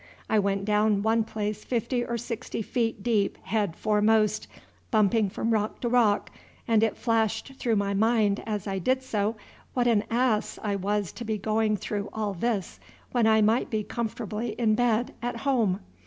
I went down one place fifty or sixty feet deep head foremost, bumping from rock to rock, and it flashed through my mind as I did so what an ass I was to be going through all this when I might be comfortably in bed at home.